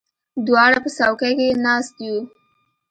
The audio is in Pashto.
دواړه په څوکۍ کې ناست یو.